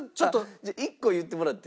じゃあ１個言ってもらって。